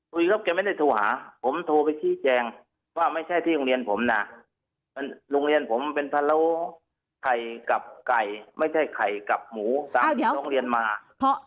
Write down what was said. ครับแกไม่ได้โทรหาผมโทรไปชี้แจงว่าไม่ใช่ที่โรงเรียนผมนะโรงเรียนผมเป็นพะโล้ไข่กับไก่ไม่ใช่ไข่กับหมูตามที่ร้องเรียนมา